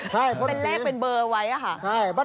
ใช่ข้นสีเป็นแรกเป็นเบอร์ไว้ค่ะ